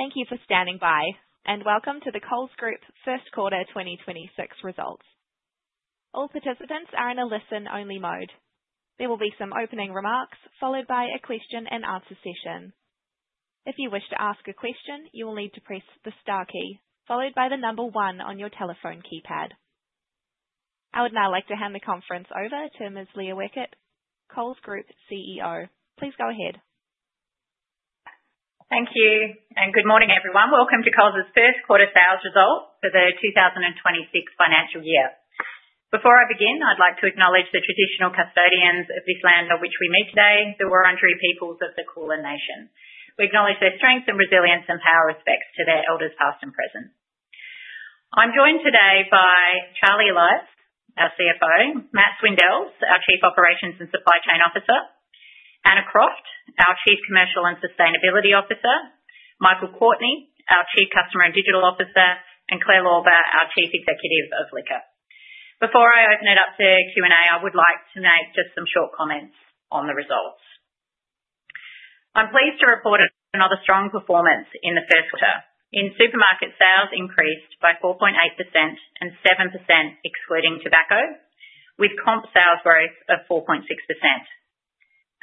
Thank you for standing by, and welcome to the Coles Group first quarter 2026 results. All participants are in a listen-only mode. There will be some opening remarks followed by a question-and-answer session. If you wish to ask a question, you will need to press the star key followed by the number one on your telephone keypad. I would now like to hand the conference over to Ms. Leah Weckert, Coles Group CEO. Please go ahead. Thank you, and good morning, everyone. Welcome to Coles' first quarter sales results for the 2026 financial year. Before I begin, I'd like to acknowledge the traditional custodians of this land on which we meet today, the Wurundjeri peoples of the Kulin Nation. We acknowledge their strength and resilience and pay our respects to their elders past and present. I'm joined today by Charlie Elias, our CFO; Matt Swindells, our Chief Operations and Supply Chain Officer; Anna Croft, our Chief Commercial and Sustainability Officer; Michael Courtney, our Chief Customer and Digital Officer; and Claire Lauber, our Chief Executive of Liquor. Before I open it up to Q&A, I would like to make just some short comments on the results. I'm pleased to report another strong performance in the first quarter. In supermarket sales, increased by 4.8% and 7% excluding tobacco, with comp sales growth of 4.6%.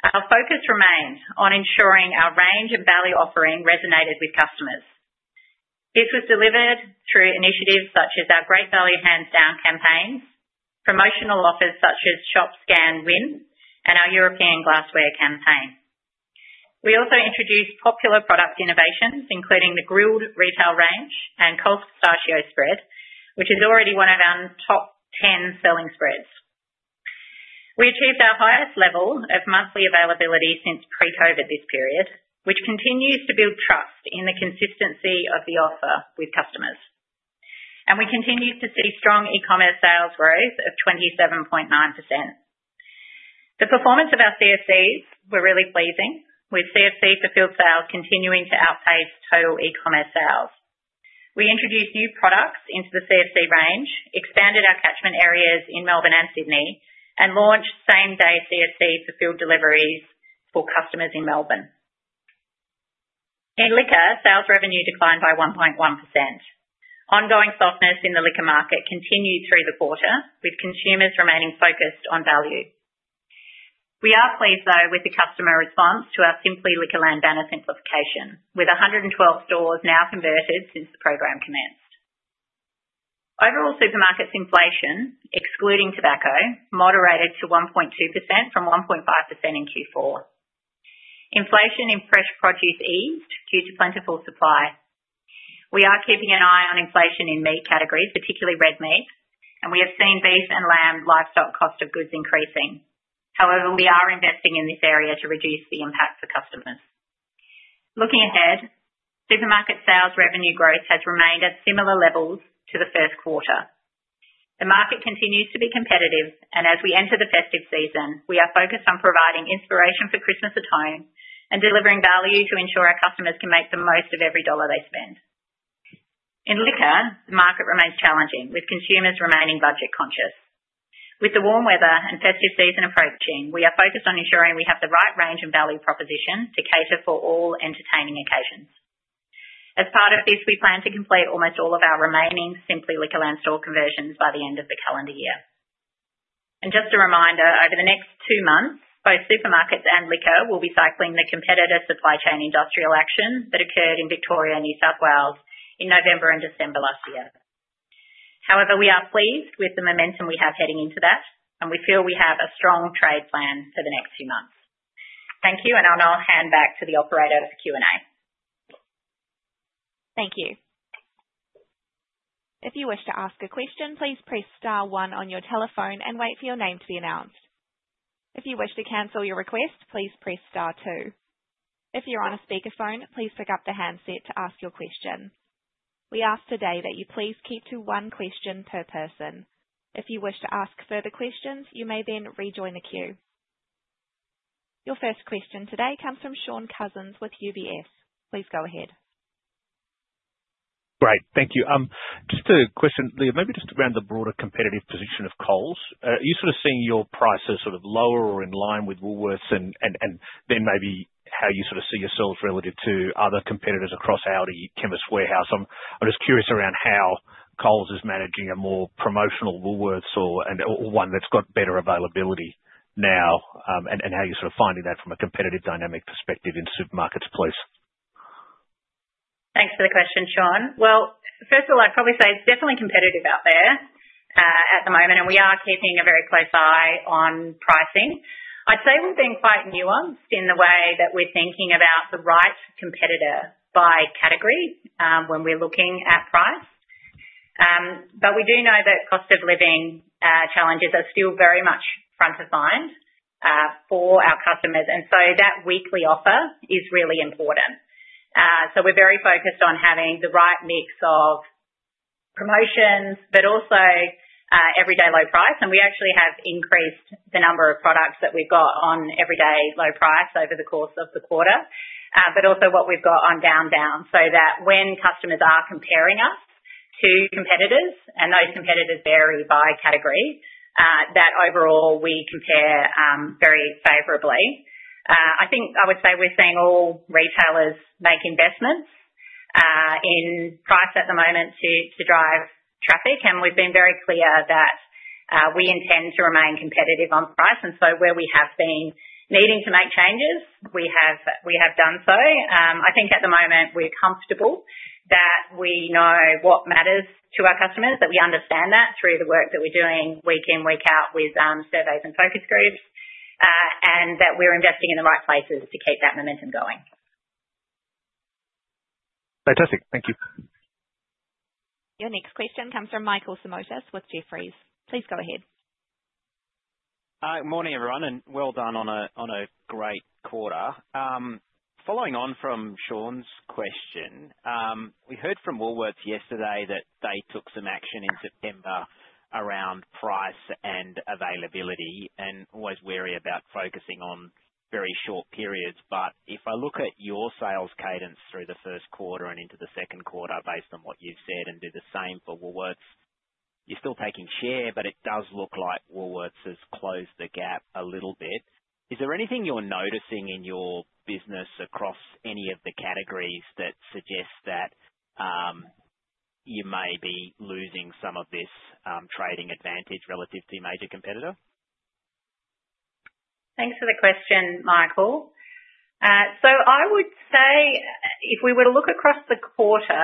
Our focus remained on ensuring our range and value offering resonated with customers. This was delivered through initiatives such as our Great Value Hands Down campaigns, promotional offers such as Shop, Scan, Win, and our European Glassware campaign. We also introduced popular product innovations, including the grilled retail range and Coles pistachio spread, which is already one of our top 10 selling spreads. We achieved our highest level of monthly availability since pre-COVID this period, which continues to build trust in the consistency of the offer with customers. We continued to see strong e-commerce sales growth of 27.9%. The performance of our CFCs was really pleasing, with CFC fulfilled sales continuing to outpace total e-commerce sales. We introduced new products into the CFC range, expanded our catchment areas in Melbourne and Sydney, and launched same-day CFC fulfilled deliveries for customers in Melbourne. In Liquor, sales revenue declined by 1.1%. Ongoing softness in the liquor market continued through the quarter, with consumers remaining focused on value. We are pleased, though, with the customer response to our Simply Liquorland banner simplification, with 112 stores now converted since the program commenced. Overall supermarkets inflation, excluding tobacco, moderated to 1.2% from 1.5% in Q4. Inflation in fresh produce eased due to plentiful supply. We are keeping an eye on inflation in meat categories, particularly red meat, and we have seen beef and lamb livestock cost of goods increasing. However, we are investing in this area to reduce the impact for customers. Looking ahead, supermarket sales revenue growth has remained at similar levels to the first quarter. The market continues to be competitive, and as we enter the festive season, we are focused on providing inspiration for Christmas at home and delivering value to ensure our customers can make the most of every dollar they spend. In Liquor, the market remains challenging, with consumers remaining budget conscious. With the warm weather and festive season approaching, we are focused on ensuring we have the right range and value proposition to cater for all entertaining occasions. As part of this, we plan to complete almost all of our remaining Simply Liquorland store conversions by the end of the calendar year. Just a reminder, over the next two months, both supermarkets and Liquor will be cycling the competitor supply chain industrial action that occurred in Victoria, New South Wales, in November and December last year. However, we are pleased with the momentum we have heading into that, and we feel we have a strong trade plan for the next few months. Thank you, and I'll now hand back to the operator for Q&A. Thank you. If you wish to ask a question, please press star one on your telephone and wait for your name to be announced. If you wish to cancel your request, please press star two. If you're on a speakerphone, please pick up the handset to ask your question. We ask today that you please keep to one question per person. If you wish to ask further questions, you may then rejoin the queue. Your first question today comes from Shaun Cousins with UBS. Please go ahead. Great. Thank you. Just a question, Leah, maybe just around the broader competitive position of Coles. Are you sort of seeing your prices sort of lower or in line with Woolworths and then maybe how you sort of see yourselves relative to other competitors across our e-commerce warehouse? I'm just curious around how Coles is managing a more promotional Woolworths or one that's got better availability now and how you're sort of finding that from a competitive dynamic perspective in supermarkets, please. Thanks for the question, Shaun. First of all, I'd probably say it's definitely competitive out there at the moment, and we are keeping a very close eye on pricing. I'd say we've been quite nuanced in the way that we're thinking about the right competitor by category when we're looking at price. We do know that cost of living challenges are still very much front of mind for our customers, and that weekly offer is really important. We are very focused on having the right mix of promotions, but also everyday low price. We actually have increased the number of products that we've got on everyday low price over the course of the quarter, but also what we've got on down down so that when customers are comparing us to competitors, and those competitors vary by category, overall we compare very favorably. I think I would say we're seeing all retailers make investments in price at the moment to drive traffic, and we've been very clear that we intend to remain competitive on price. Where we have been needing to make changes, we have done so. I think at the moment we're comfortable that we know what matters to our customers, that we understand that through the work that we're doing week in, week out with surveys and focus groups, and that we're investing in the right places to keep that momentum going. Fantastic. Thank you. Your next question comes from Michael Simotas with Jefferies. Please go ahead. Good morning, everyone, and well done on a great quarter. Following on from Shaun's question, we heard from Woolworths yesterday that they took some action in September around price and availability and was wary about focusing on very short periods. If I look at your sales cadence through the first quarter and into the second quarter based on what you've said and do the same for Woolworths, you're still taking share, but it does look like Woolworths has closed the gap a little bit. Is there anything you're noticing in your business across any of the categories that suggests that you may be losing some of this trading advantage relative to your major competitor? Thanks for the question, Michael. I would say if we were to look across the quarter,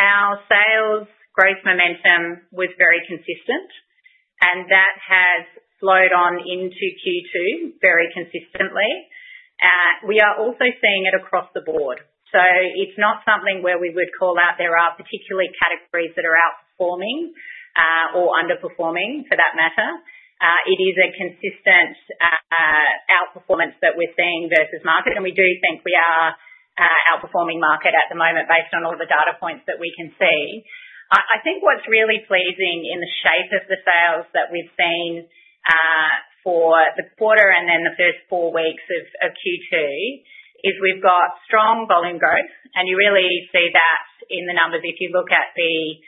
our sales growth momentum was very consistent, and that has slowed on into Q2 very consistently. We are also seeing it across the board. It is not something where we would call out there are particular categories that are outperforming or underperforming for that matter. It is a consistent outperformance that we are seeing versus market, and we do think we are outperforming market at the moment based on all the data points that we can see. I think what's really pleasing in the shape of the sales that we've seen for the quarter and then the first four weeks of Q2 is we've got strong volume growth, and you really see that in the numbers if you look at the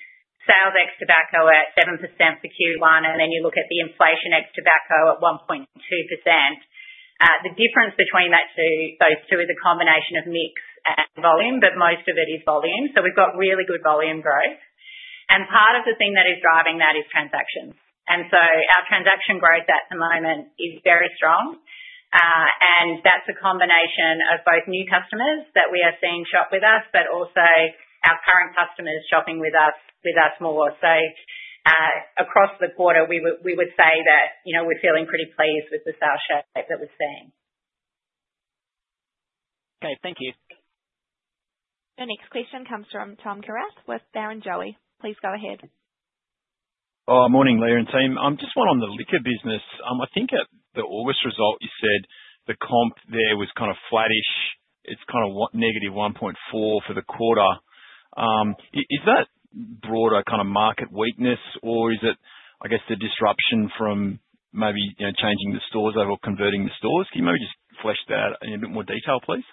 sales ex tobacco at 7% for Q1, and then you look at the inflation ex tobacco at 1.2%. The difference between those two is a combination of mix and volume, but most of it is volume. We have really good volume growth. Part of the thing that is driving that is transactions. Our transaction growth at the moment is very strong, and that's a combination of both new customers that we are seeing shop with us, but also our current customers shopping with us more. Across the quarter, we would say that we're feeling pretty pleased with the sales shape that we're seeing. Okay. Thank you. Your next question comes from Tom Kierath with Barrenjoey. Please go ahead. Morning, Leah and team. I'm just one on the liquor business. I think at the August result, you said the comp there was kind of flattish. It's kind of -1.4% for the quarter. Is that broader kind of market weakness, or is it, I guess, the disruption from maybe changing the stores over or converting the stores? Can you maybe just flesh that out in a bit more detail, please?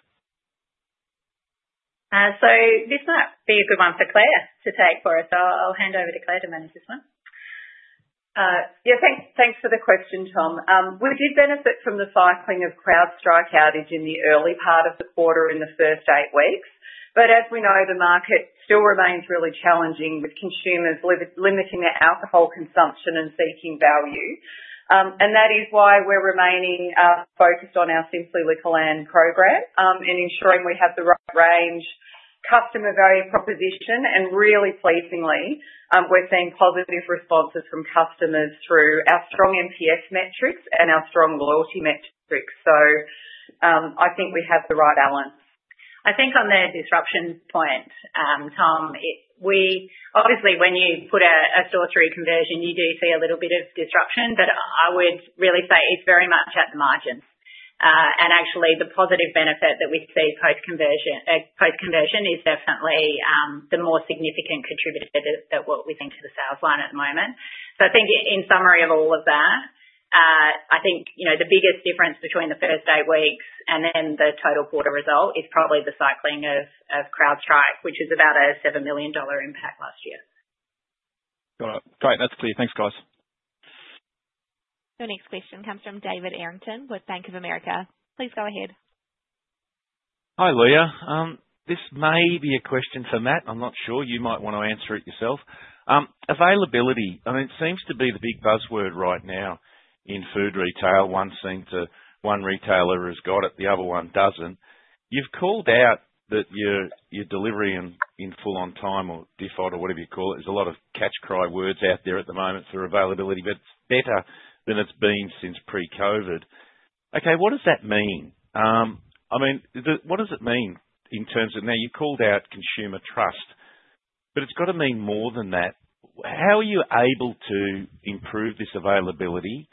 This might be a good one for Claire to take for us. I'll hand over to Claire to manage this one. Yeah, thanks for the question, Tom. We did benefit from the cycling of CrowdStrike outage in the early part of the quarter in the first eight weeks. As we know, the market still remains really challenging with consumers limiting their alcohol consumption and seeking value. That is why we're remaining focused on our Simply Liquorland program and ensuring we have the right range customer value proposition. Really pleasingly, we're seeing positive responses from customers through our strong NPS metrics and our strong loyalty metrics. I think we have the right balance. I think on the disruption point, Tom, obviously when you put a store through conversion, you do see a little bit of disruption, but I would really say it's very much at the margin. Actually, the positive benefit that we see post-conversion is definitely the more significant contributor that we're seeing to the sales line at the moment. I think in summary of all of that, I think the biggest difference between the first eight weeks and then the total quarter result is probably the cycling of CrowdStrike, which is about 7 million dollar impact last year. Got it. Great. That's clear. Thanks, guys. Your next question comes from David Arrington with Bank of America. Please go ahead. Hi, Leah. This may be a question for Matt. I'm not sure. You might want to answer it yourself. Availability, I mean, it seems to be the big buzzword right now in food retail. One retailer has got it, the other one doesn't. You've called out that your delivery in full-on time or default or whatever you call it. There's a lot of catch cry words out there at the moment for availability, but it's better than it's been since pre-COVID. Okay, what does that mean? I mean, what does it mean in terms of now you called out consumer trust, but it's got to mean more than that. How are you able to improve this availability?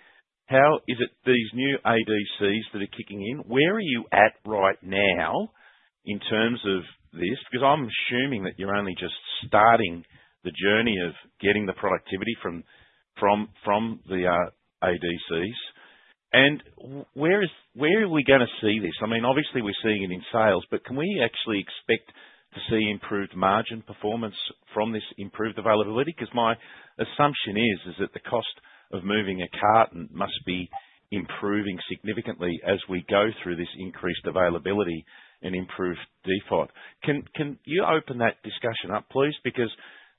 Is it these new ADCs that are kicking in? Where are you at right now in terms of this? Because I'm assuming that you're only just starting the journey of getting the productivity from the ADCs. Where are we going to see this? I mean, obviously, we're seeing it in sales, but can we actually expect to see improved margin performance from this improved availability? Because my assumption is that the cost of moving a carton must be improving significantly as we go through this increased availability and improved default. Can you open that discussion up, please?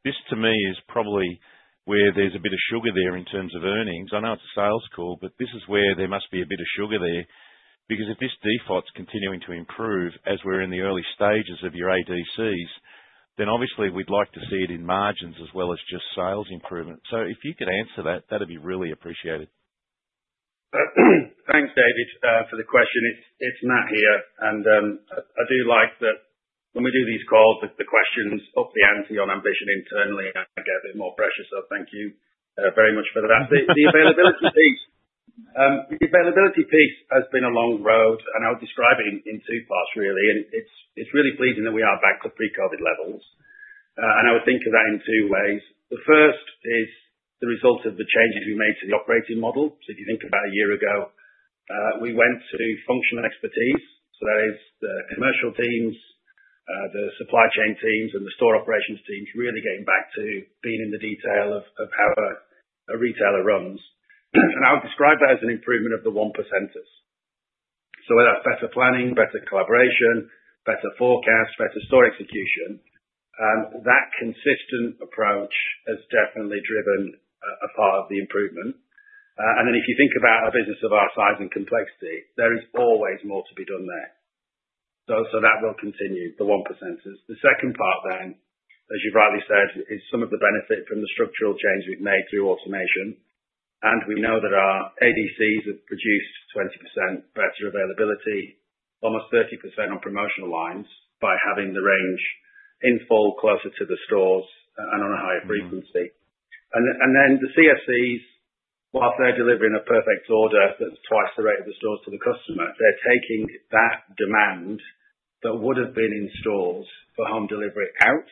This, to me, is probably where there's a bit of sugar there in terms of earnings. I know it's a sales call, but this is where there must be a bit of sugar there. If this default's continuing to improve as we're in the early stages of your ADCs, then obviously we'd like to see it in margins as well as just sales improvement. If you could answer that, that'd be really appreciated. Thanks, David, for the question. It's Matt here. I do like that when we do these calls, the questions obviously answer your ambition internally and get a bit more pressure. Thank you very much for that. The availability piece has been a long road, and I will describe it in two parts, really. It is really pleasing that we are back to pre-COVID levels. I would think of that in two ways. The first is the result of the changes we made to the operating model. If you think about a year ago, we went to functional expertise. That is the commercial teams, the supply chain teams, and the store operations teams really getting back to being in the detail of how a retailer runs. I would describe that as an improvement of the one percenters. That is better planning, better collaboration, better forecast, better store execution. That consistent approach has definitely driven a part of the improvement. If you think about a business of our size and complexity, there is always more to be done there. That will continue, the one percenters. The second part, as you have rightly said, is some of the benefit from the structural change we have made through automation. We know that our ADCs have produced 20% better availability, almost 30% on promotional lines by having the range in full closer to the stores and on a higher frequency. The CFCs, while they're delivering a perfect order that's twice the rate of the stores to the customer, are taking that demand that would have been in stores for home delivery accounts,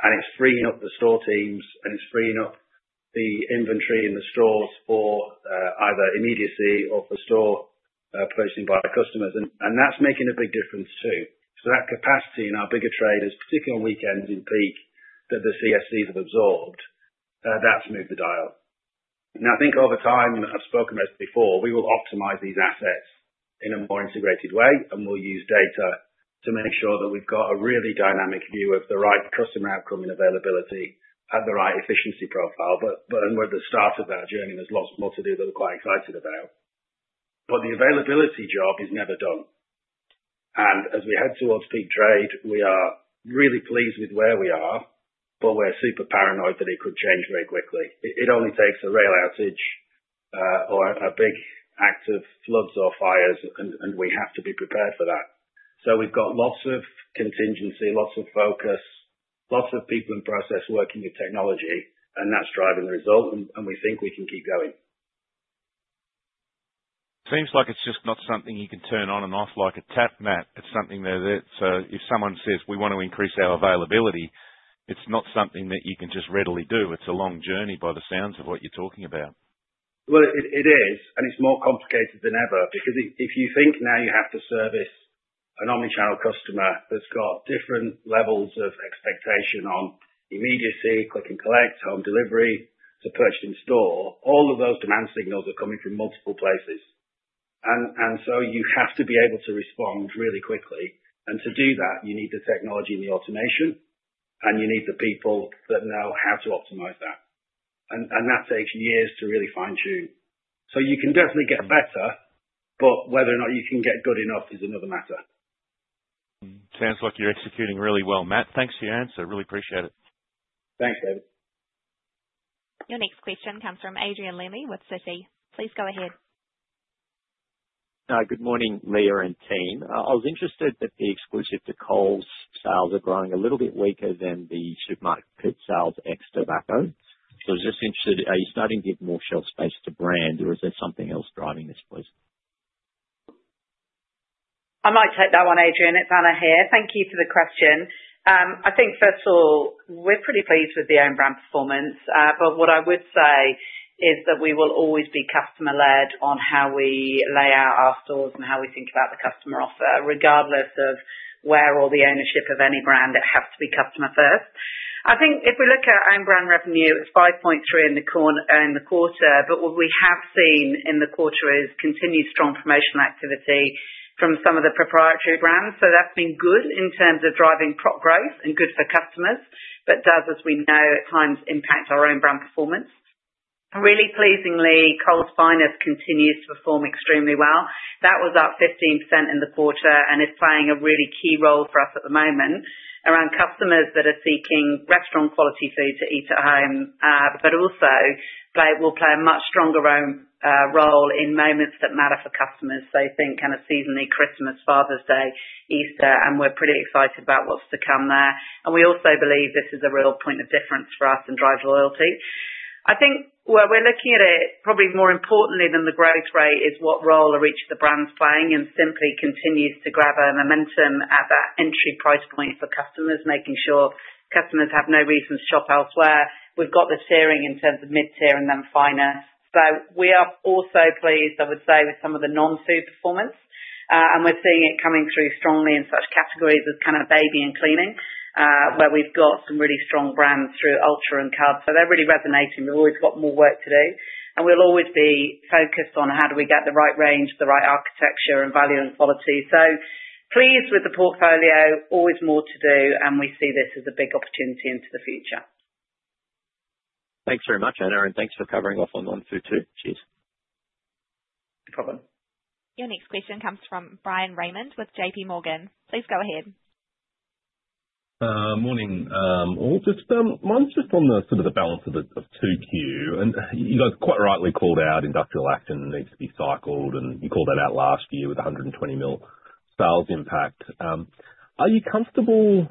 and it's freeing up the store teams, and it's freeing up the inventory in the stores for either immediacy or for store purchasing by our customers. That is making a big difference too. That capacity in our bigger traders, particularly on weekends in peak that the CFCs have absorbed, has moved the dial. I think over time, I've spoken about this before, we will optimize these assets in a more integrated way, and we will use data to make sure that we've got a really dynamic view of the right customer outcome and availability at the right efficiency profile. We are at the start of our journey, and there is lots more to do that we are quite excited about. The availability job is never done. As we head towards peak trade, we are really pleased with where we are, but we are super paranoid that it could change very quickly. It only takes a rail outage or a big act of floods or fires, and we have to be prepared for that. We have lots of contingency, lots of focus, lots of people in process working with technology, and that is driving the result, and we think we can keep going. Seems like it's just not something you can turn on and off like a tap, Matt. It's something that if someone says, "We want to increase our availability," it's not something that you can just readily do. It's a long journey by the sounds of what you're talking about. It is, and it's more complicated than ever because if you think now you have to service an omnichannel customer that's got different levels of expectation on immediacy, click and collect, home delivery to purchase in store, all of those demand signals are coming from multiple places. You have to be able to respond really quickly. To do that, you need the technology and the automation, and you need the people that know how to optimize that. That takes years to really fine-tune. You can definitely get better, but whether or not you can get good enough is another matter. Sounds like you're executing really well, Matt. Thanks for your answer. Really appreciate it. Thanks, David. Your next question comes from Adrian Lemme with Citi. Please go ahead. Hi, good morning, Leah and team. I was interested that the Exclusive to Coles sales are growing a little bit weaker than the supermarket sales ex tobacco. I was just interested, are you starting to give more shelf space to brand, or is there something else driving this, please? I might take that one, Adrian. It's Anna here. Thank you for the question. I think, first of all, we're pretty pleased with the own brand performance. What I would say is that we will always be customer-led on how we lay out our stores and how we think about the customer offer, regardless of where or the ownership of any brand. It has to be customer-first. I think if we look at own brand revenue, it's 5.3 in the quarter, but what we have seen in the quarter is continued strong promotional activity from some of the proprietary brands. That's been good in terms of driving prop growth and good for customers, but does, as we know, at times impact our own brand performance. Really pleasingly, Coles Finest continues to perform extremely well. That was up 15% in the quarter and is playing a really key role for us at the moment around customers that are seeking restaurant-quality food to eat at home, but also will play a much stronger role in moments that matter for customers. I think kind of seasonally, Christmas, Father's Day, Easter, and we are pretty excited about what is to come there. We also believe this is a real point of difference for us and drives loyalty. I think where we are looking at it, probably more importantly than the growth rate, is what role are each of the brand playing and simply continues to grab our momentum at that entry price point for customers, making sure customers have no reason to shop elsewhere. We have got the tiering in terms of mid-tier and then finer. We are also pleased, I would say, with some of the non-food performance. We are seeing it coming through strongly in such categories as kind of baby and cleaning, where we have some really strong brands through Ultra and Cub. They are really resonating. We have always got more work to do. We will always be focused on how do we get the right range, the right architecture, and value and quality. Pleased with the portfolio, always more to do, and we see this as a big opportunity into the future. Thanks very much, Anna. Thanks for covering off on non-food too. Cheers. No problem. Your next question comes from Brian Raymond with JPMorgan. Please go ahead. Morning. Just on the balance of 2Q, and you guys quite rightly called out industrial action needs to be cycled, and you called that out last year with 120 million sales impact. Are you comfortable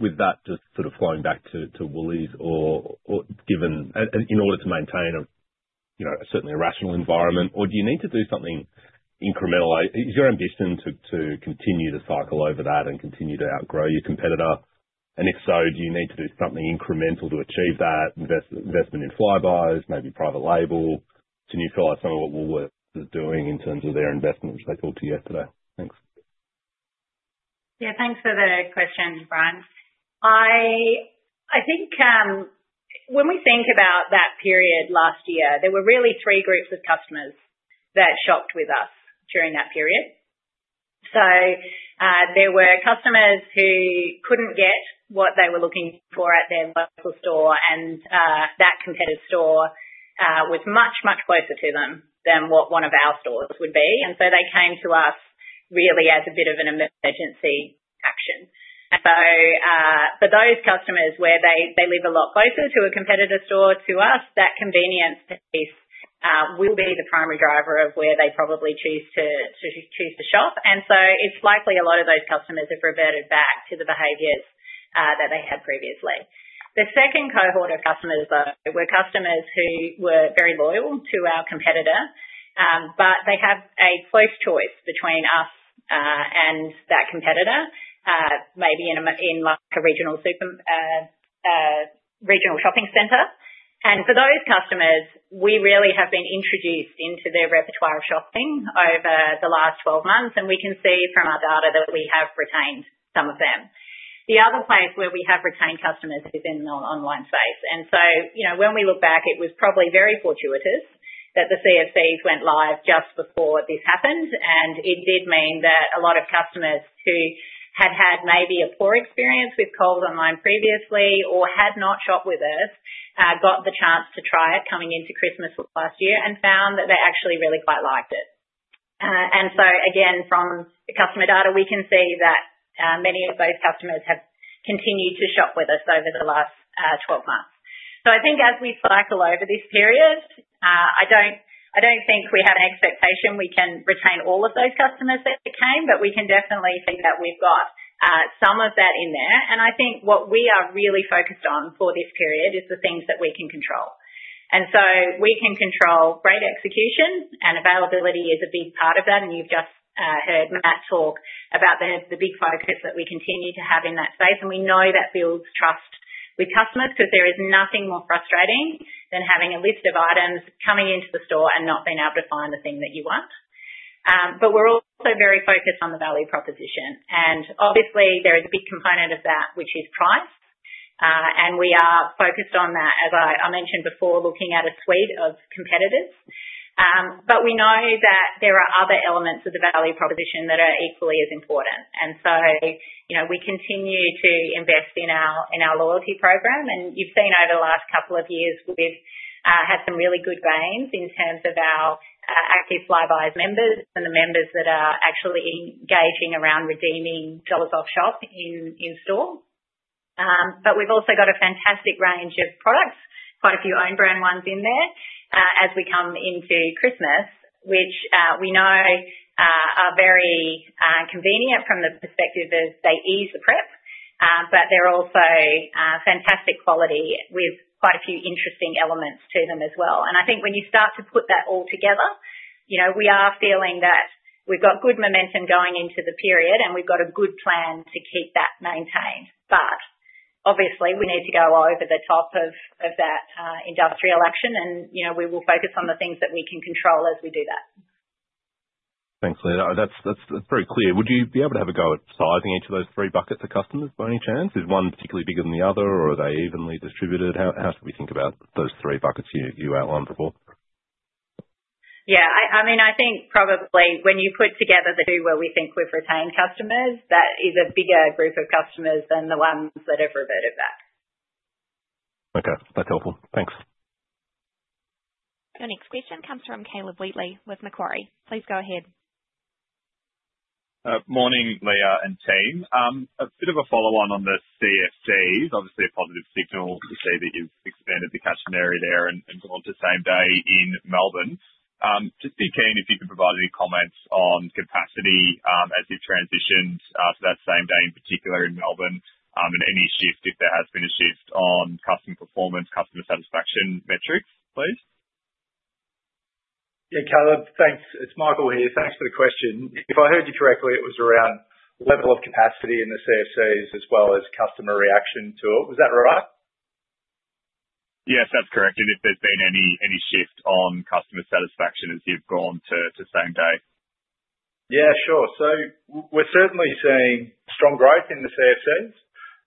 with that just sort of flowing back to Woolworths in order to maintain certainly a rational environment, or do you need to do something incremental? Is your ambition to continue to cycle over that and continue to outgrow your competitor? And if so, do you need to do something incremental to achieve that? Investment in Flybuys, maybe private label? Do you feel like some of what Woolworths is doing in terms of their investment, which they talked to you yesterday? Thanks. Yeah, thanks for the question, Brian. I think when we think about that period last year, there were really three groups of customers that shopped with us during that period. There were customers who could not get what they were looking for at their local store, and that competitive store was much, much closer to them than what one of our stores would be. They came to us really as a bit of an emergency action. For those customers where they live a lot closer to a competitor store to us, that convenience piece will be the primary driver of where they probably choose to shop. It is likely a lot of those customers have reverted back to the behaviors that they had previously. The second cohort of customers, though, were customers who were very loyal to our competitor, but they have a close choice between us and that competitor, maybe in a regional shopping center. For those customers, we really have been introduced into their repertoire of shopping over the last 12 months, and we can see from our data that we have retained some of them. The other place where we have retained customers is in the online space. When we look back, it was probably very fortuitous that the CFCs went live just before this happened. It did mean that a lot of customers who had had maybe a poor experience with Coles Online previously or had not shopped with us got the chance to try it coming into Christmas last year and found that they actually really quite liked it. From the customer data, we can see that many of those customers have continued to shop with us over the last 12 months. I think as we cycle over this period, I do not think we have an expectation we can retain all of those customers that came, but we can definitely think that we have got some of that in there. I think what we are really focused on for this period is the things that we can control. We can control great execution, and availability is a big part of that. You have just heard Matt talk about the big focus that we continue to have in that space. We know that builds trust with customers because there is nothing more frustrating than having a list of items coming into the store and not being able to find the thing that you want. We are also very focused on the value proposition. Obviously, there is a big component of that, which is price. We are focused on that, as I mentioned before, looking at a suite of competitors. We know that there are other elements of the value proposition that are equally as important. We continue to invest in our loyalty program. You have seen over the last couple of years, we have had some really good gains in terms of our active Flybuys members and the members that are actually engaging around redeeming dollars off shop in store. We have also got a fantastic range of products, quite a few own brand ones in there as we come into Christmas, which we know are very convenient from the perspective as they ease the prep, but they are also fantastic quality with quite a few interesting elements to them as well. I think when you start to put that all together, we are feeling that we have got good momentum going into the period, and we have got a good plan to keep that maintained. Obviously, we need to go over the top of that industrial action, and we will focus on the things that we can control as we do that. Thanks, Leah. That's very clear. Would you be able to have a go at sizing each of those three buckets of customers by any chance? Is one particularly bigger than the other, or are they evenly distributed? How should we think about those three buckets you outlined before? Yeah. I mean, I think probably when you put together the two where we think we've retained customers, that is a bigger group of customers than the ones that have reverted back. Okay. That's helpful. Thanks. Your next question comes from Caleb Wheatley with Macquarie. Please go ahead. Morning, Leah and team. A bit of a follow-on on the CFCs. Obviously, a positive signal to say that you've expanded the catchment area there and gone to same-day in Melbourne. Just be keen if you could provide any comments on capacity as you've transitioned to that same-day in particular in Melbourne and any shift, if there has been a shift, on customer performance, customer satisfaction metrics, please. Yeah, Caleb, thanks. It's Michael here. Thanks for the question. If I heard you correctly, it was around level of capacity in the CFCs as well as customer reaction to it. Was that right? Yes, that's correct. If there's been any shift on customer satisfaction as you've gone to same day? Yeah, sure. We're certainly seeing strong growth in the CFCs,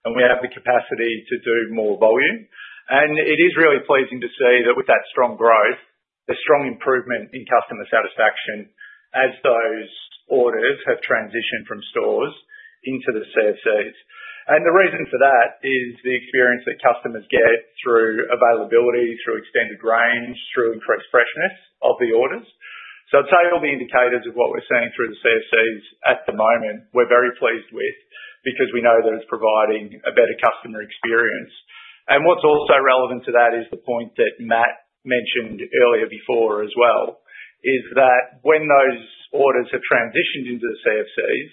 and we have the capacity to do more volume. It is really pleasing to see that with that strong growth, a strong improvement in customer satisfaction as those orders have transitioned from stores into the CFCs. The reason for that is the experience that customers get through availability, through extended range, through increased freshness of the orders. I'd say all the indicators of what we're seeing through the CFCs at the moment, we're very pleased with because we know that it's providing a better customer experience. What's also relevant to that is the point that Matt mentioned earlier before as well, is that when those orders have transitioned into the CFCs,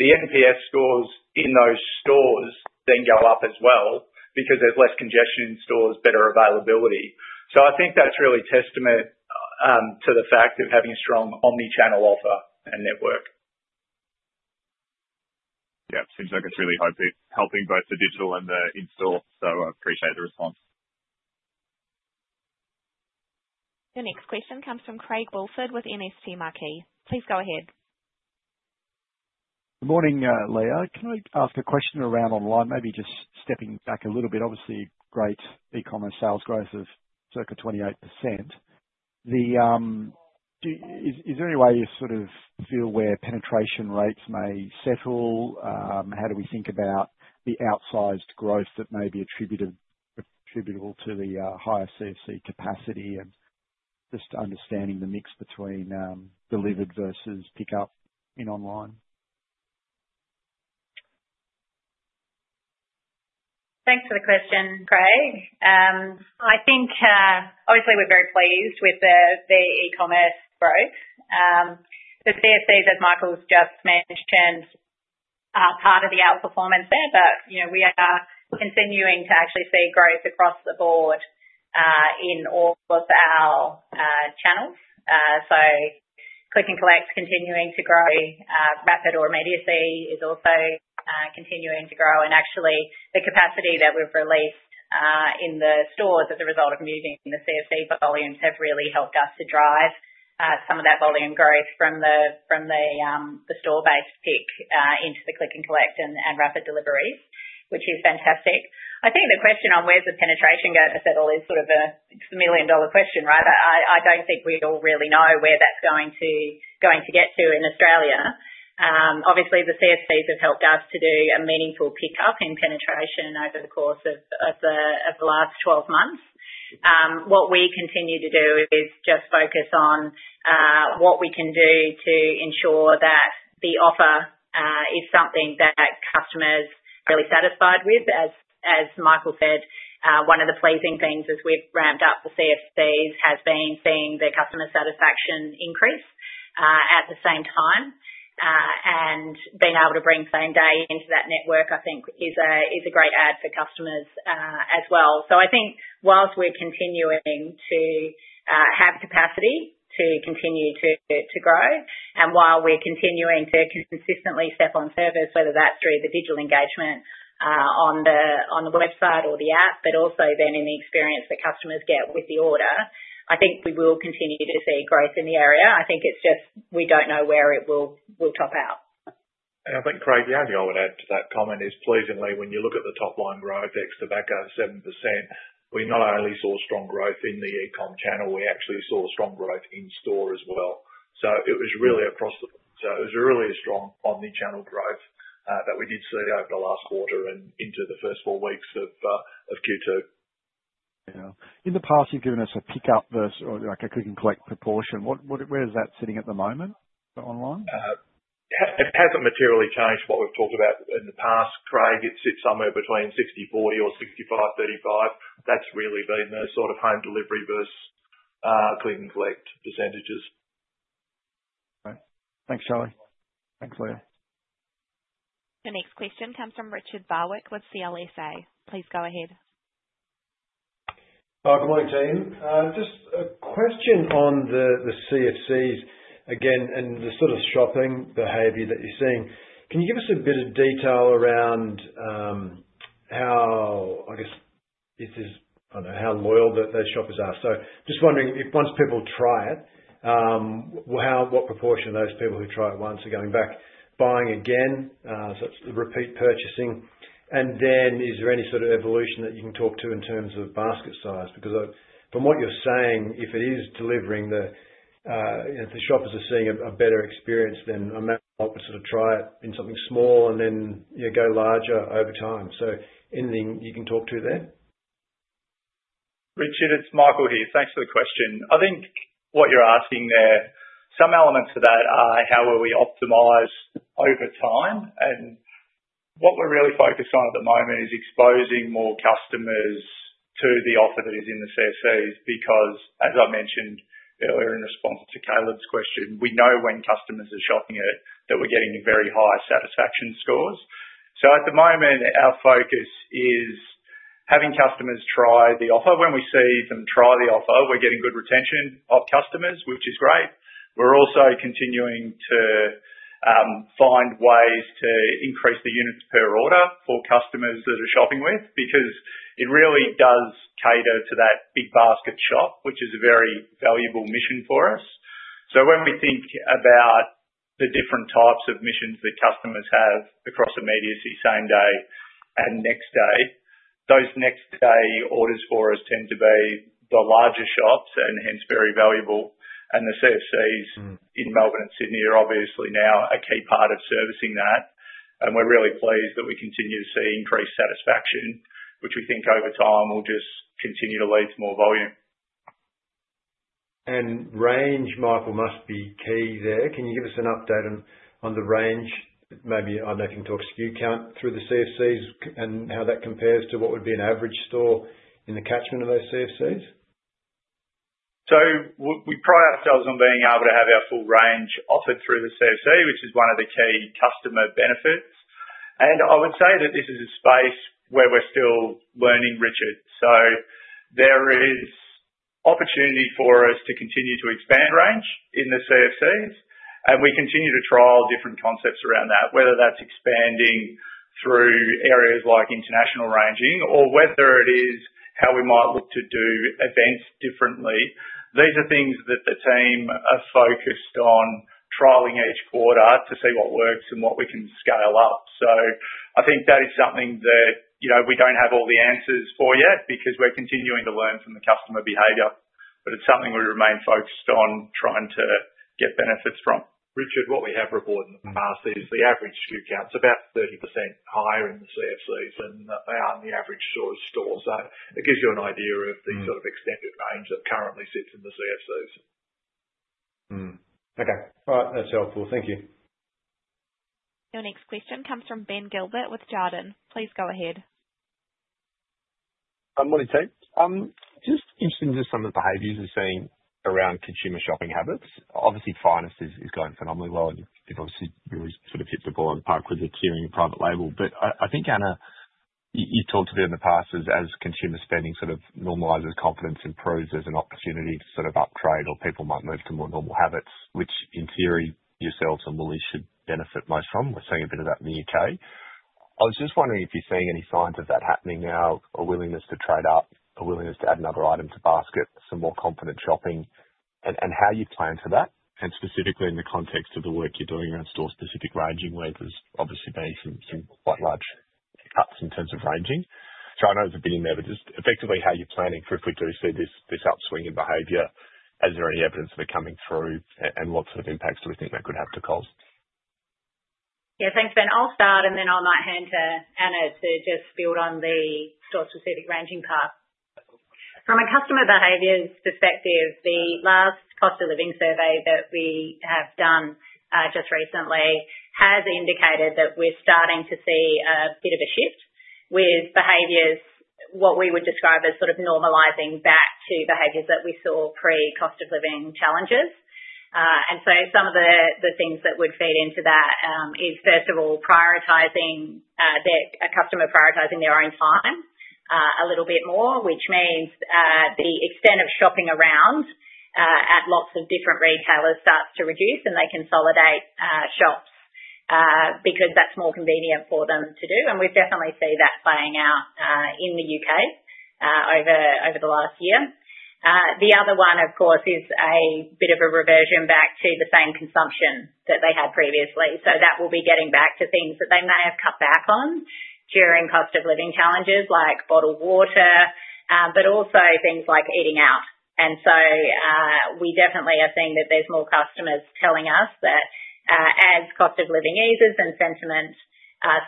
the NPS scores in those stores then go up as well because there's less congestion in stores, better availability. I think that's really a testament to the fact of having a strong omnichannel offer and network. Yeah, it seems like it's really helping both the digital and the in-store. I appreciate the response. Your next question comes from Craig Wulfert with Macquarie. Please go ahead. Good morning, Leah. Can I ask a question around online? Maybe just stepping back a little bit. Obviously, great e-commerce sales growth of circa 28%. Is there any way you sort of feel where penetration rates may settle? How do we think about the outsized growth that may be attributable to the higher CFC capacity and just understanding the mix between delivered versus pickup in online? Thanks for the question, Craig. I think, obviously, we're very pleased with the e-commerce growth. The CFCs, as Michael's just mentioned, are part of the outperformance there, but we are continuing to actually see growth across the board in all of our channels. Click and collect continuing to grow, rapid or immediate is also continuing to grow. Actually, the capacity that we've released in the stores as a result of moving the CFC volumes has really helped us to drive some of that volume growth from the store-based pick into the click and collect and rapid deliveries, which is fantastic. I think the question on where's the penetration going to settle is sort of a million-dollar question, right? I don't think we all really know where that's going to get to in Australia. Obviously, the CFCs have helped us to do a meaningful pickup in penetration over the course of the last 12 months. What we continue to do is just focus on what we can do to ensure that the offer is something that customers are really satisfied with. As Michael said, one of the pleasing things as we've ramped up the CFCs has been seeing their customer satisfaction increase at the same time. Being able to bring same-day into that network, I think, is a great add for customers as well. I think whilst we're continuing to have capacity to continue to grow, and while we're continuing to consistently step on service, whether that's through the digital engagement on the website or the app, but also then in the experience that customers get with the order, I think we will continue to see growth in the area. I think it's just we don't know where it will top out. I think Craig's only, I would add to that comment, is pleasingly when you look at the top-line growth, extra backup, 7%, we not only saw strong growth in the e-com channel, we actually saw strong growth in store as well. It was really across the board. It was really a strong omnichannel growth that we did see over the last quarter and into the first four weeks of Q2. Yeah. In the past, you've given us a pickup versus a click and collect proportion. Where is that sitting at the moment online? It hasn't materially changed what we've talked about in the past. Craig, it sits somewhere between 60/40 or 65/35. That's really been the sort of home delivery versus click and collect percentages. Okay. Thanks, Charlie. Thanks, Leah. Your next question comes from Richard Barwick with CLSA. Please go ahead. Good morning, team. Just a question on the CFCs again and the sort of shopping behavior that you're seeing. Can you give us a bit of detail around how, I guess, I don't know, how loyal those shoppers are? Just wondering if once people try it, what proportion of those people who try it once are going back, buying again, so it's repeat purchasing? Is there any sort of evolution that you can talk to in terms of basket size? From what you're saying, if it is delivering, the shoppers are seeing a better experience than a man who sort of tried it in something small and then go larger over time. Anything you can talk to there? Richard, it's Michael here. Thanks for the question. I think what you're asking there, some elements of that are how will we optimize over time? What we're really focused on at the moment is exposing more customers to the offer that is in the CFCs because, as I mentioned earlier in response to Caleb's question, we know when customers are shopping it that we're getting very high satisfaction scores. At the moment, our focus is having customers try the offer. When we see them try the offer, we're getting good retention of customers, which is great. We're also continuing to find ways to increase the units per order for customers that are shopping with because it really does cater to that big basket shop, which is a very valuable mission for us. When we think about the different types of missions that customers have across immediacy, same-day and next-day, those next-day orders for us tend to be the larger shops and hence very valuable. The CFCs in Melbourne and Sydney are obviously now a key part of servicing that. We are really pleased that we continue to see increased satisfaction, which we think over time will just continue to lead to more volume. Range, Michael, must be key there. Can you give us an update on the range, maybe I am making talks to you, count through the CFCs and how that compares to what would be an average store in the catchment of those CFCs? We pride ourselves on being able to have our full range offered through the CFC, which is one of the key customer benefits. I would say that this is a space where we're still learning, Richard. There is opportunity for us to continue to expand range in the CFCs, and we continue to trial different concepts around that, whether that's expanding through areas like international ranging or whether it is how we might look to do events differently. These are things that the team are focused on trialing each quarter to see what works and what we can scale up. I think that is something that we do not have all the answers for yet because we're continuing to learn from the customer behavior, but it's something we remain focused on trying to get benefits from. Richard, what we have reported in the past is the average SKU count's about 30% higher in the CFCs than they are in the average stores. So it gives you an idea of the sort of extended range that currently sits in the CFCs. Okay. All right. That's helpful. Thank you. Your next question comes from Ben Gilbert with Jarden. Please go ahead. Morning, team. Just interested in just some of the behaviors we have seen around consumer shopping habits. Obviously, finance is going phenomenally well, and you have obviously really sort of hit the ball out of the park with the tiering of private label. I think, Anna, you have talked to them in the past as consumer spending sort of normalizes, confidence improves as an opportunity to sort of uptrade, or people might move to more normal habits, which in theory, yourselves and Woolworths should benefit most from. We are seeing a bit of that in the U.K. I was just wondering if you're seeing any signs of that happening now, a willingness to trade up, a willingness to add another item to basket, some more confident shopping, and how you plan for that, and specifically in the context of the work you're doing around store-specific ranging, where there's obviously been some quite large cuts in terms of ranging. I know there's a bit in there, but just effectively how you're planning for if we do see this upswing in behavior, is there any evidence of it coming through, and what sort of impacts do we think that could have to Coles? Yeah, thanks, Ben. I'll start, and then I'll hand to Anna to just build on the store-specific ranging part. From a customer behavior perspective, the last cost of living survey that we have done just recently has indicated that we're starting to see a bit of a shift with behaviors, what we would describe as sort of normalizing back to behaviors that we saw pre-cost of living challenges. Some of the things that would feed into that is, first of all, a customer prioritizing their own time a little bit more, which means the extent of shopping around at lots of different retailers starts to reduce, and they consolidate shops because that's more convenient for them to do. We definitely see that playing out in the U.K. over the last year. The other one, of course, is a bit of a reversion back to the same consumption that they had previously. That will be getting back to things that they may have cut back on during cost of living challenges like bottled water, but also things like eating out. We definitely are seeing that there's more customers telling us that as cost of living eases and sentiment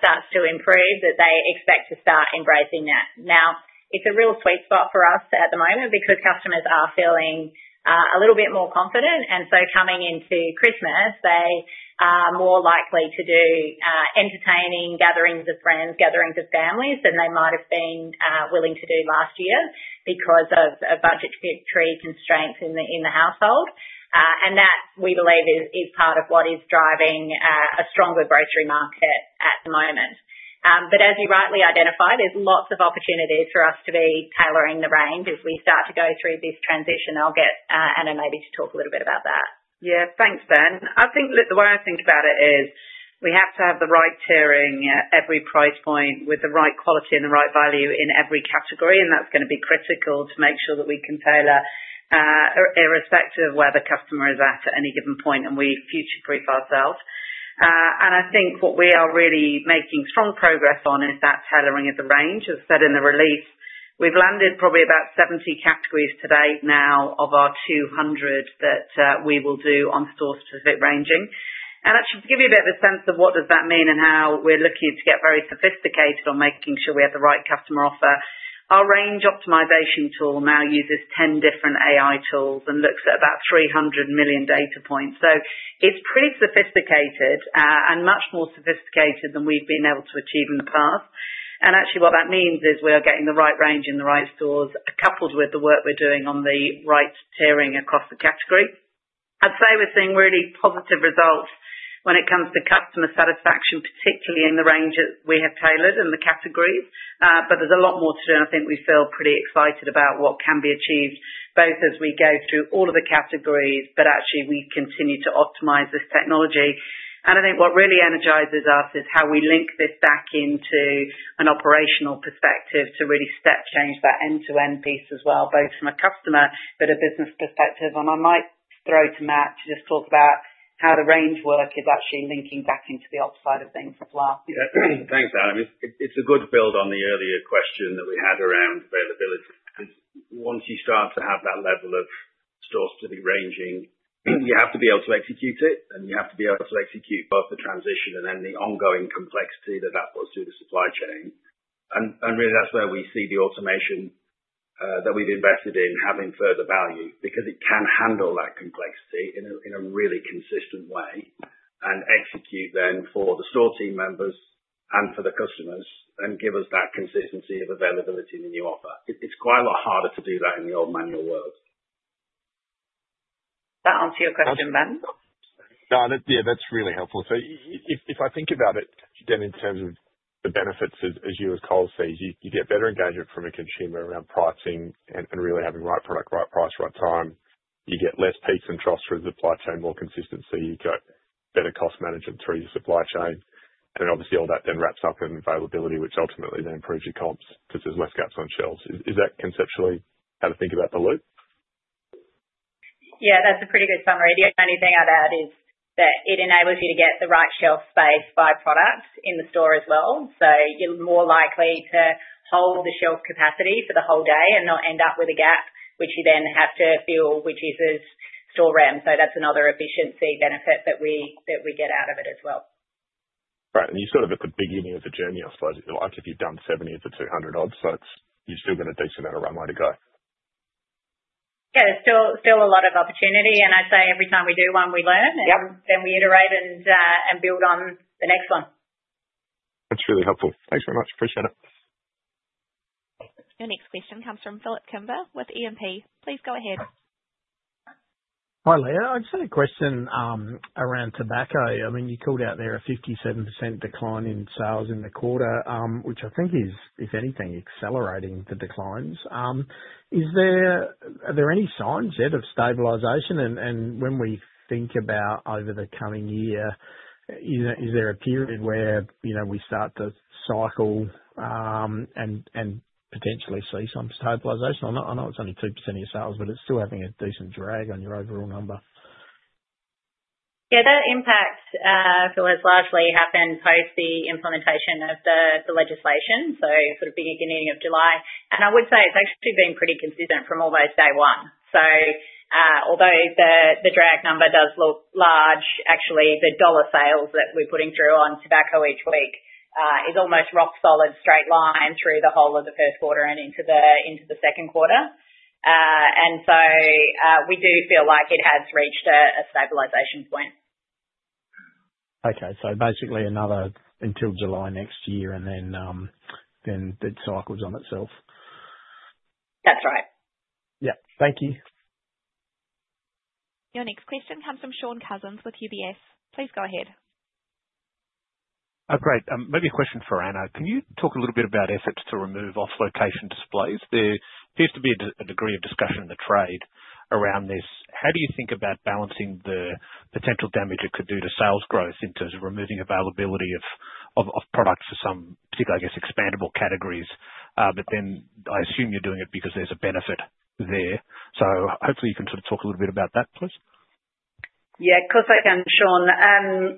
starts to improve, they expect to start embracing that. Now, it's a real sweet spot for us at the moment because customers are feeling a little bit more confident. Coming into Christmas, they are more likely to do entertaining gatherings with friends, gatherings with families than they might have been willing to do last year because of budgetary constraints in the household. That, we believe, is part of what is driving a stronger grocery market at the moment. As you rightly identified, there are lots of opportunities for us to be tailoring the range. As we start to go through this transition, I'll get Anna maybe to talk a little bit about that. Yeah, thanks, Ben. I think the way I think about it is we have to have the right tiering at every price point with the right quality and the right value in every category. That is going to be critical to make sure that we can tailor irrespective of where the customer is at at any given point and we future-proof ourselves. I think what we are really making strong progress on is that tailoring of the range. As I said in the release, we have landed probably about 70 categories to date now of our 200 that we will do on store-specific ranging. To give you a bit of a sense of what does that mean and how we're looking to get very sophisticated on making sure we have the right customer offer, our range optimization tool now uses 10 different AI tools and looks at about 300 million data points. It is pretty sophisticated and much more sophisticated than we've been able to achieve in the past. What that means is we are getting the right range in the right stores coupled with the work we're doing on the right tiering across the category. I'd say we're seeing really positive results when it comes to customer satisfaction, particularly in the range that we have tailored and the categories. There is a lot more to do, and I think we feel pretty excited about what can be achieved both as we go through all of the categories, but actually, we continue to optimize this technology. I think what really energizes us is how we link this back into an operational perspective to really step change that end-to-end piece as well, both from a customer but a business perspective. I might throw to Matt to just talk about how the range work is actually linking back into the ops side of things as well. Yeah. Thanks, Anna. It's a good build on the earlier question that we had around availability. Once you start to have that level of store-specific ranging, you have to be able to execute it, and you have to be able to execute both the transition and then the ongoing complexity that that puts through the supply chain. Really, that's where we see the automation that we've invested in having further value because it can handle that complexity in a really consistent way and execute then for the store team members and for the customers and give us that consistency of availability in the new offer. It's quite a lot harder to do that in the old manual world. that answer your question, Ben? Yeah, that's really helpful. If I think about it, again, in terms of the benefits as you as Coles sees, you get better engagement from a consumer around pricing and really having right product, right price, right time. You get less peaks and troughs through the supply chain, more consistency. You've got better cost management through the supply chain. Obviously, all that then wraps up in availability, which ultimately then improves your comps because there's less gaps on shelves. Is that conceptually how to think about the loop? Yeah, that's a pretty good summary. The only thing I'd add is that it enables you to get the right shelf space by product in the store as well. You are more likely to hold the shelf capacity for the whole day and not end up with a gap, which you then have to fill, which uses store RAM. That is another efficiency benefit that we get out of it as well. Right. And you're sort of at the beginning of the journey, I suppose, like if you've done 70 of the 200-odd sites, you've still got a decent amount of runway to go. Yeah, there's still a lot of opportunity. I'd say every time we do one, we learn, and then we iterate and build on the next one. That's really helpful. Thanks very much. Appreciate it. Your next question comes from Philip Kimber with AMP. Please go ahead. Hi, Leah. I just had a question around tobacco. I mean, you called out there a 57% decline in sales in the quarter, which I think is, if anything, accelerating the declines. Are there any signs yet of stabilization? When we think about over the coming year, is there a period where we start to cycle and potentially see some stabilization? I know it's only 2% of your sales, but it's still having a decent drag on your overall number. Yeah, that impact, I feel, has largely happened post the implementation of the legislation, so sort of beginning of July. I would say it's actually been pretty consistent from almost day one. Although the drag number does look large, actually, the dollar sales that we're putting through on tobacco each week is almost rock solid, straight line through the whole of the first quarter and into the second quarter. We do feel like it has reached a stabilization point. Okay. So basically another until July next year and then it cycles on itself. That's right. Yeah. Thank you. Your next question comes from Shaun Cousins with UBS. Please go ahead. Great. Maybe a question for Anna. Can you talk a little bit about efforts to remove off-location displays? There appears to be a degree of discussion in the trade around this. How do you think about balancing the potential damage it could do to sales growth in terms of removing availability of product for some particular, I guess, expandable categories? I assume you're doing it because there's a benefit there. Hopefully, you can sort of talk a little bit about that, please. Yeah, of course, I can, Shaun.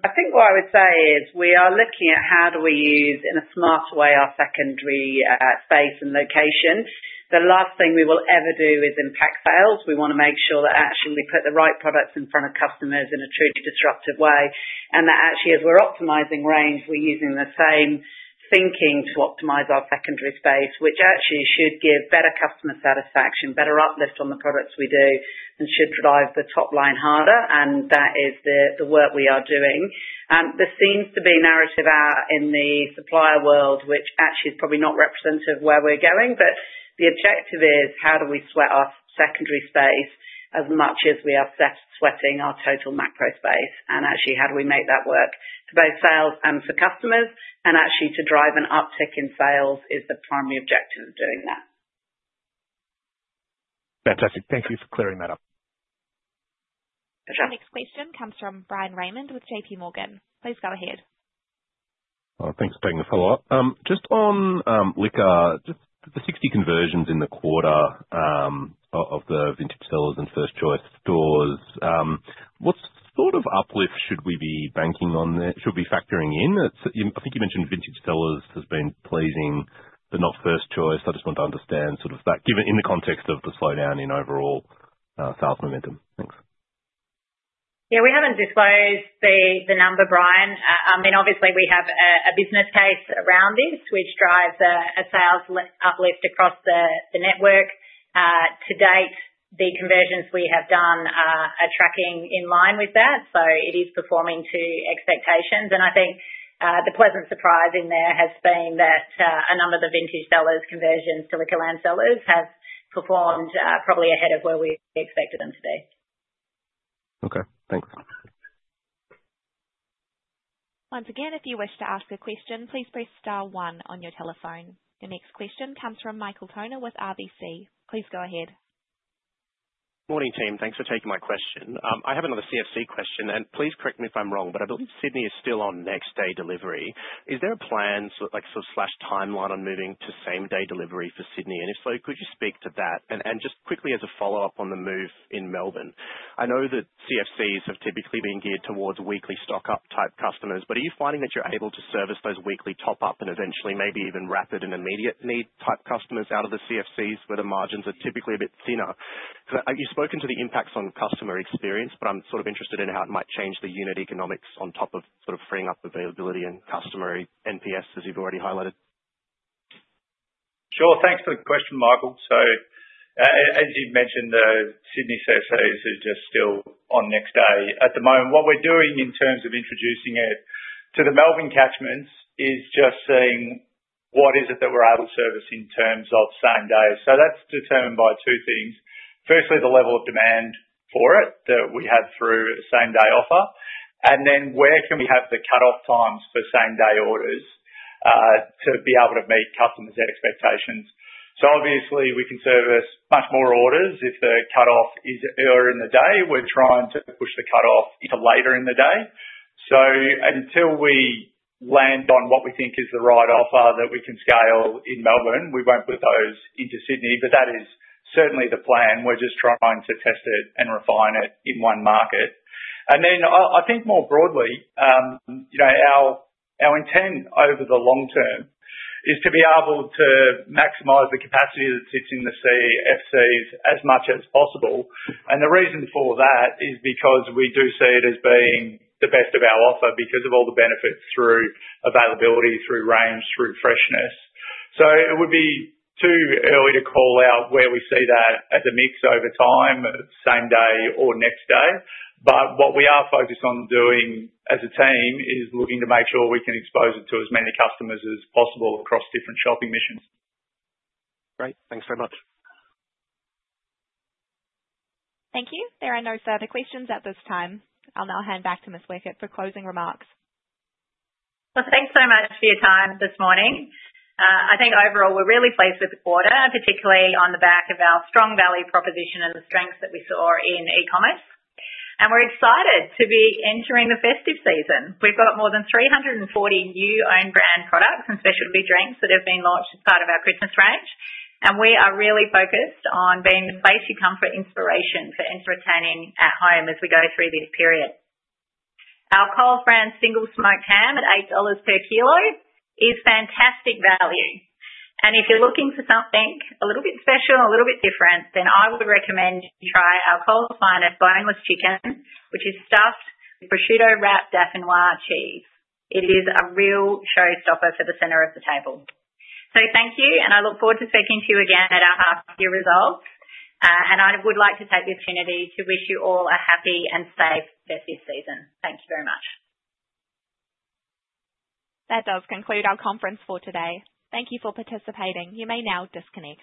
I think what I would say is we are looking at how do we use in a smart way our secondary space and location. The last thing we will ever do is impact sales. We want to make sure that actually we put the right products in front of customers in a truly disruptive way. That actually, as we're optimizing range, we're using the same thinking to optimize our secondary space, which actually should give better customer satisfaction, better uplift on the products we do, and should drive the top line harder. That is the work we are doing. There seems to be narrative in the supplier world, which actually is probably not representative of where we're going. The objective is how do we sweat our secondary space as much as we are sweating our total macro space? How do we make that work for both sales and for customers? Actually, to drive an uptick in sales is the primary objective of doing that. Fantastic. Thank you for clearing that up. Your next question comes from Brian Raymond with J.P. Morgan. Please go ahead. Thanks for taking the follow-up. Just on Liquor, just the 60 conversions in the quarter of the Vintage Cellars and First Choice stores, what sort of uplift should we be banking on? Should we be factoring in? I think you mentioned Vintage Cellars has been pleasing, but not First Choice. I just want to understand sort of that in the context of the slowdown in overall sales momentum. Thanks. Yeah, we have not disclosed the number, Brian. I mean, obviously, we have a business case around this, which drives a sales uplift across the network. To date, the conversions we have done are tracking in line with that. It is performing to expectations. I think the pleasant surprise in there has been that a number of the Vintage Cellars' conversions to Liquorland sellers have performed probably ahead of where we expected them to be. Okay. Thanks. Once again, if you wish to ask a question, please press star one on your telephone. Your next question comes from Michael Toner with RBC. Please go ahead. Morning, team. Thanks for taking my question. I have another CFC question, and please correct me if I'm wrong, but I believe Sydney is still on next-day delivery. Is there a plan, sort of slash timeline, on moving to same-day delivery for Sydney? If so, could you speak to that? Just quickly as a follow-up on the move in Melbourne, I know that CFCs have typically been geared towards weekly stock-up type customers, but are you finding that you're able to service those weekly top-up and eventually maybe even rapid and immediate need type customers out of the CFCs where the margins are typically a bit thinner? You've spoken to the impacts on customer experience, but I'm sort of interested in how it might change the unit economics on top of sort of freeing up availability and customer NPS, as you've already highlighted. Sure. Thanks for the question, Michael. As you've mentioned, the Sydney CFCs are just still on next day. At the moment, what we're doing in terms of introducing it to the Melbourne catchments is just seeing what is it that we're able to service in terms of same-day. That is determined by two things. Firstly, the level of demand for it that we have through the same-day offer, and then where can we have the cutoff times for same-day orders to be able to meet customers' expectations. Obviously, we can service much more orders if the cutoff is earlier in the day. We're trying to push the cutoff into later in the day. Until we land on what we think is the right offer that we can scale in Melbourne, we won't put those into Sydney. That is certainly the plan. We're just trying to test it and refine it in one market. I think more broadly, our intent over the long term is to be able to maximize the capacity that sits in the CFCs as much as possible. The reason for that is because we do see it as being the best of our offer because of all the benefits through availability, through range, through freshness. It would be too early to call out where we see that as a mix over time, same-day or next day. What we are focused on doing as a team is looking to make sure we can expose it to as many customers as possible across different shopping missions. Great. Thanks very much. Thank you. There are no further questions at this time. I'll now hand back to Miss Weckert for closing remarks. Thank you so much for your time this morning. I think overall, we're really pleased with the quarter, particularly on the back of our strong value proposition and the strengths that we saw in e-commerce. We are excited to be entering the festive season. We have more than 340 new own-brand products and specialty drinks that have been launched as part of our Christmas range. We are really focused on being the place you come for inspiration for entertaining at home as we go through this period. Our Coles brand single smoked ham at 8 dollars per kilo is fantastic value. If you're looking for something a little bit special, a little bit different, then I would recommend you try our Coles Finest boneless chicken, which is stuffed with prosciutto-wrapped camembert cheese. It is a real showstopper for the center of the table. Thank you, and I look forward to speaking to you again at our half-year results. I would like to take the opportunity to wish you all a happy and safe festive season. Thank you very much. That does conclude our conference for today. Thank you for participating. You may now disconnect.